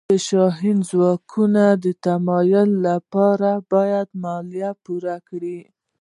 د شاهي ځواکونو د تمویل لپاره باید مالیه پرې کړي.